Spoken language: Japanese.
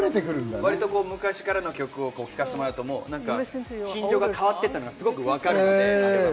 昔からの曲を聴かせてもらうと心情が変わっていったのがわかるので。